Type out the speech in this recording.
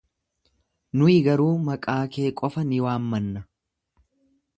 Nuyi garuu maqaa kee qofa ni waammanna.